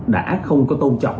đã không có tôn trọng